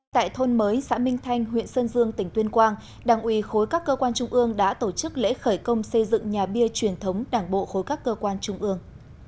tại thôn mới xã minh thanh huyện sơn dương tỉnh tuyên quang đảng ủy khối các cơ quan trung ương đã tổ chức lễ khởi công xây dựng nhà bia truyền thống đảng bộ khối các cơ quan trung ương